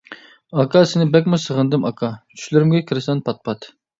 ئاكا سىنى بەكمۇ سېغىندىم ئاكا، چۈشلىرىمگە كىرىسەن پات-پات.